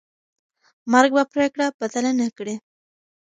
مرګ به پرېکړه بدله نه کړي.